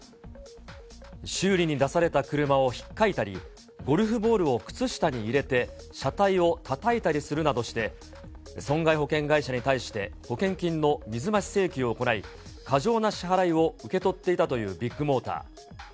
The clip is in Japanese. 修理に出された車をひっかいたり、ゴルフボールを靴下に入れて、車体をたたいたりするなどして、損害保険会社に対して、保険金の水増し請求を行い、過剰な支払いを受け取っていたというビッグモーター。